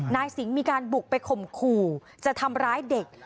นายสิงห์มีการบุกไปข่มขู่จะทำร้ายเด็ก